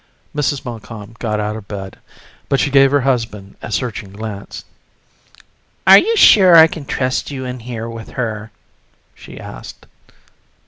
Mrs. Montcalm got out of bed, but she gave her husband a searching glance. "Are you sure I can trust you in here with her?" she asked.